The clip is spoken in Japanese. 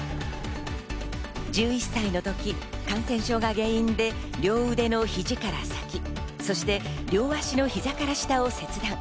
１１歳の時、感染症が原因で両腕の肘から先、そして両足の膝から下を切断。